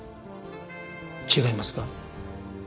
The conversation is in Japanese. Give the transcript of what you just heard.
違いますか？